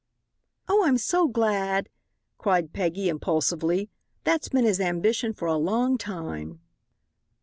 "Oh, I'm so glad," cried Peggy, impulsively; "that's been his ambition for a long time."